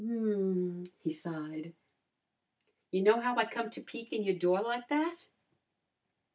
"M m," he sighed, "you know how I come to peek in your door like that?"